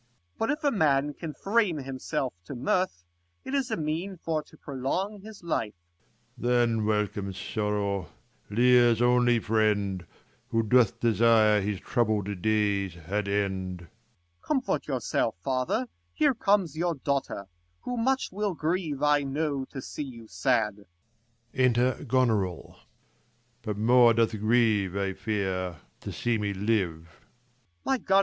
Corn. But if a man can frame himself to mirth, 5 It is a mean for to prolong his life. Leir. Then welcome sorrow, Leir's only friend, Who doth desire his troubled days had end. Com. Comfort yourself, Father, here comes your daughter, Who much will grieve, I know, to see you sad. x^ 10 Enter G on or ill. Leir. But more doth grieve, I fear, to see me live. Corn.